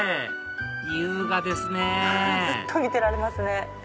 優雅ですねずっと見てられますね。